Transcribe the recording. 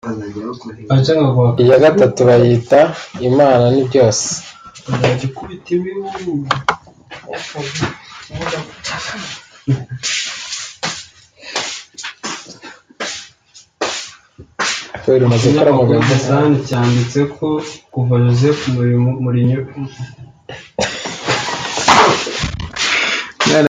iya gatatu bayita Imana ni byose